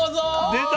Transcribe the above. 出た！